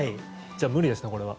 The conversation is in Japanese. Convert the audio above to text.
じゃあ、無理ですね、これは。